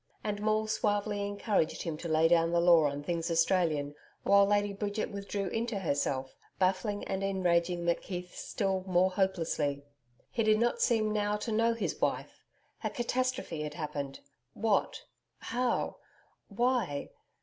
And Maule suavely encouraged him to lay down the law on things Australian, while Lady Bridget withdrew into herself, baffling and enraging McKeith still more hopelessly. He did not seem now to know his wife! A catastrophe had happened. What? How? Why?